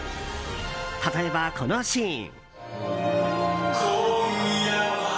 例えば、このシーン。